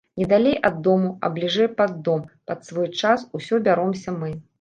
Не далей ад дому, а бліжэй пад дом, пад свой час, усё бяромся мы.